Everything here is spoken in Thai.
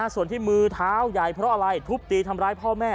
ส่วนที่มือเท้าใหญ่เพราะอะไรทุบตีทำร้ายพ่อแม่